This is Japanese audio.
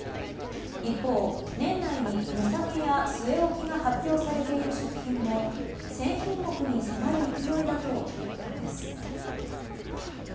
一方、年内に値下げや据え置きが発表されている食品も１０００品目に迫る勢いだということです。